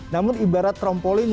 namun ibarat trompolin